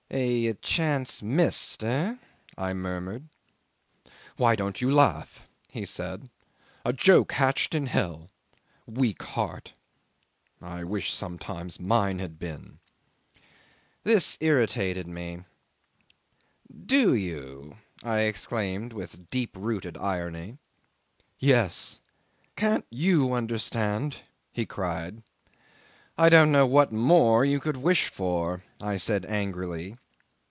'"A chance missed, eh?" I murmured. '"Why don't you laugh?" he said. "A joke hatched in hell. Weak heart! ... I wish sometimes mine had been." 'This irritated me. "Do you?" I exclaimed with deep rooted irony. "Yes! Can't you understand?" he cried. "I don't know what more you could wish for," I said angrily.